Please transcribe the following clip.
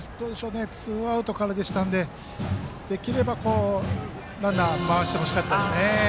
ツーアウトからでしたのでできれば、ランナーを回してほしかったですね。